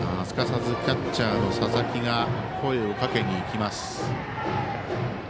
すかさずキャッチャーの佐々木が声をかけに行きます。